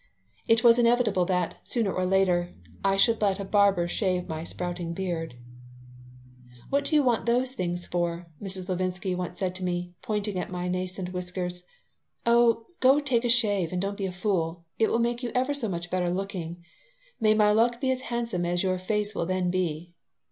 It was inevitable that, sooner or later, I should let a barber shave my sprouting beard "What do you want those things for?" Mrs. Levinsky once said to me, pointing at my nascent whiskers. "Oh, go take a shave and don't be a fool. It will make you ever so much better looking. May my luck be as handsome as your face will then be."